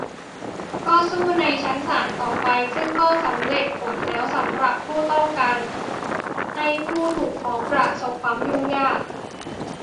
ก็สู้ในชั้นศาลต่อไป ซึ่งก็สำเร็จผลแล้วสำหรับผู้ต้องการให้ผู้ถูกฟ้องประสบความยุ่งยาก